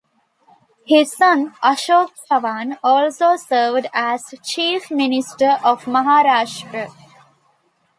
His son Ashok Chavan also served as chief minister of Maharashtra.